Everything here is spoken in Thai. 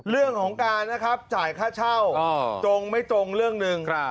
เรื่องของการนะครับจ่ายค่าเช่าตรงไม่ตรงเรื่องหนึ่ง